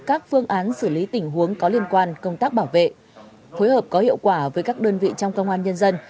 các phương án xử lý tình huống có liên quan công tác bảo vệ phối hợp có hiệu quả với các đơn vị trong công an nhân dân